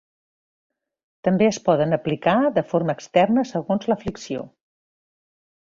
També es poden aplicar de forma externa segons l'aflicció.